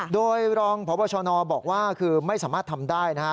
โดยรองพบชนบอกว่าคือไม่สามารถทำได้นะฮะ